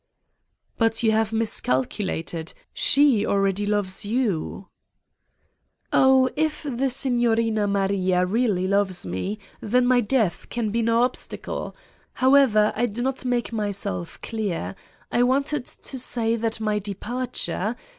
"But you have miscalculated: she already loves you." "Oh, if the Signorina Maria really loves me then my death can be no obstacle : however, I do not make myself clear. I wanted to say that my departure